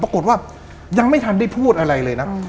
ปรากฏว่ายังไม่ทันได้พูดอะไรเลยนะ